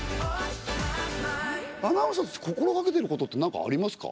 アナウンサーとして心がけてることって何かありますか？